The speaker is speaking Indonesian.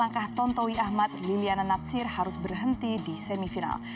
langkah tontowi ahmad liliana natsir harus berhenti di semifinal